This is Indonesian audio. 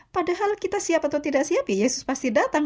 padahal kita siap atau tidak siap yesus pasti datang